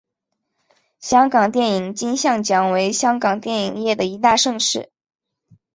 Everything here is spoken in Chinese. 香港电影金像奖为香港电影业的一大盛事。